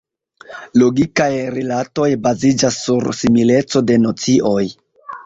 Logikaj rilatoj baziĝas sur simileco de nocioj.